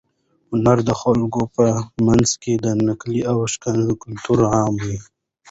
هنر د خلکو په منځ کې د نېکۍ او ښېګڼې کلتور عاموي.